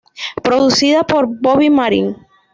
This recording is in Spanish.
Producida por Bobby Marin.